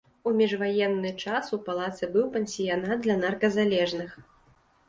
У міжваенны час у палацы быў пансіянат для нарказалежных.